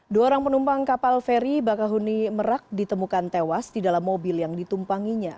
dua orang penumpang kapal feri bakahuni merak ditemukan tewas di dalam mobil yang ditumpanginya